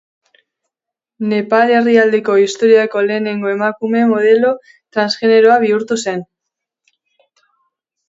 Nepal herrialdeko historiako lehenengo emakume modelo transgeneroa bihurtu zen.